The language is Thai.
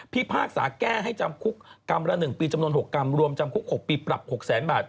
พากษาแก้ให้จำคุกกรรมละ๑ปีจำนวน๖กรัมรวมจำคุก๖ปีปรับ๖แสนบาท